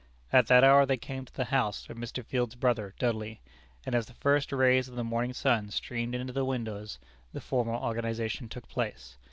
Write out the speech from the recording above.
At that hour they came to the house of Mr. Field's brother Dudley, and as the first rays of the morning sun streamed into the windows, the formal organization took place.